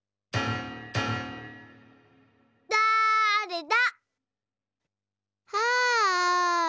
だれだ？